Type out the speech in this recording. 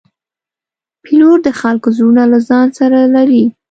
پیلوټ د خلکو زړونه له ځان سره لري.